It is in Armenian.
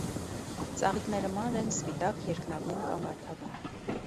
Ծաղիկները մանր են, սպիտակ, երկնագույն կամ վարդագույն։